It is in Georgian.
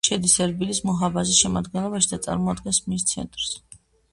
შედის ერბილის მუჰაფაზის შემადგენლობაში და წარმოადგენს მის ცენტრს.